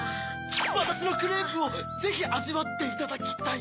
わたしのクレープをぜひあじわっていただきたい。